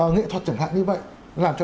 nghệ thuật chẳng hạn như vậy làm cho